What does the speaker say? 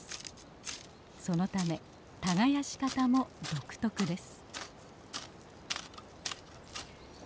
そのため耕し方も独特です。